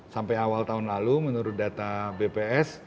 sampai awal tahun lalu menurut data bps